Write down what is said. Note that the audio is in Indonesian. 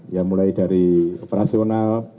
ya mulai dari operasional